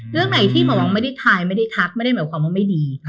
เรื่องไหนที่หมอวังไม่ได้ทายไม่ได้ทักไม่ได้หมายความว่าไม่ดี